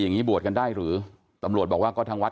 อย่างนี้บวชกันได้หรือตำรวจบอกว่าก็ทางวัด